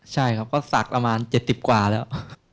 ใช่ครับก็ศักดิ์ประมาณ๗๐กว่าแล้ว